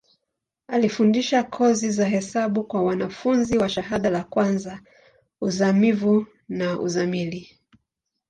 Alifundisha kozi za hesabu kwa wanafunzi wa shahada ka kwanza, uzamivu na uzamili.